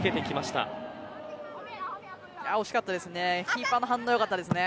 惜しかったですね。